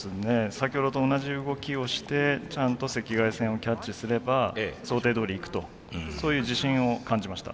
先ほどと同じ動きをしてちゃんと赤外線をキャッチすれば想定どおりいくとそういう自信を感じました。